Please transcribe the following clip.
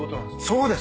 そうです。